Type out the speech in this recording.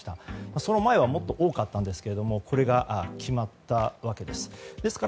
その前はもっと多かったんですがこれが決まったわけです。